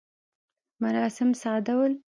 مراسم ساده ول.